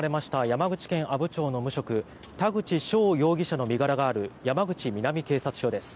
山口県阿武町の無職田口翔容疑者の身柄がある山口南警察署です。